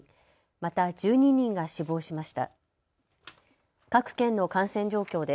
また１２人が死亡しました。